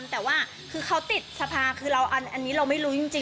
แต่ว่าคือเขาติดสภาคือเราอันนี้เราไม่รู้จริง